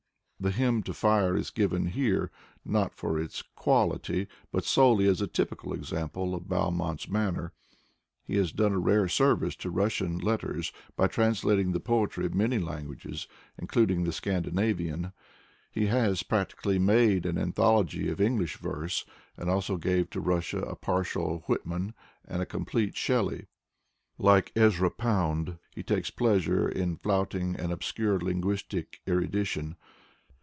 The "Hymn lo Fire" is given here, not for its quality, but solely as a typical example of Bal mont's manner. He has done a tare service to Russian letters by translating the poetry of many languages, including the Scandinavian. He has practically made an anthology of Eng lish verse, and also gave to Russia a partial Whitman and a complete Shelley, Lite Ezra Pound, he takes pleasure ia flaunting an obscure linguistic erudition.